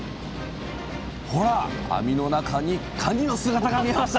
ほら網の中にかにの姿が見えました！